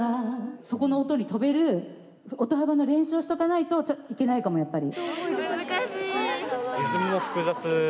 そこの音に飛べる音幅の練習をしとかないとちょっといけないかもやっぱり。